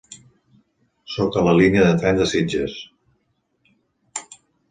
Soc a la línia de tren de Sitges.